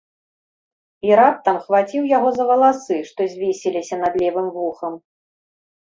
І раптам хваціў яго за валасы, што звесіліся над левым вухам.